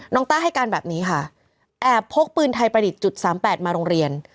ต้าให้การแบบนี้ค่ะแอบพกปืนไทยประดิษฐ์จุดสามแปดมาโรงเรียน